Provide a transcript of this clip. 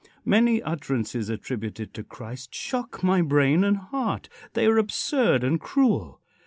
Many utterances attributed to Christ shock my brain and heart. They are absurd and cruel.